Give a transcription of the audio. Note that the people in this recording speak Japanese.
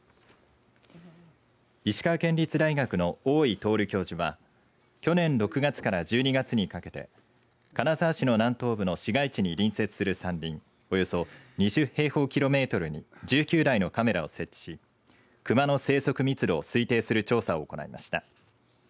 石川県立大学の大井徹教授は去年６月から１２月にかけて金沢市の南東部の市街地に隣接する山林およそ２０平方キロメートルに１９台のカメラを設置しクマの生息密度を推定する調査を行いました。